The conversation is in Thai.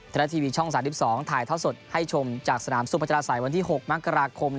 ทะเลทีวีช่อง๓๒ถ่ายท้อสดให้ชมจากสนามสู้ประจาศัยวันที่๖มหังกราคม